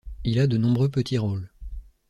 Il a de nombreux petits rôles.